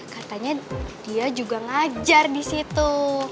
katanya dia juga ngajar di situ